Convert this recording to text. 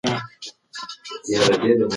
که موږ یو ځای شو نو څوک مو نه شي ماتولی.